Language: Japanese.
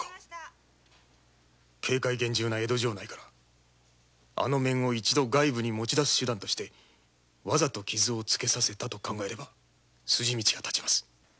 警戒厳重な江戸城内からあの面を一度外部へ持ち出す手段としてわざと傷をつけさせたと考えれば筋道が立ちます。